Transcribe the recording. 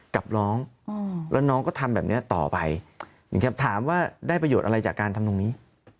กับน้องแล้วน้องก็ทำแบบนี้ต่อไปถามว่าได้ประโยชน์อะไรจากการทำตรงนี้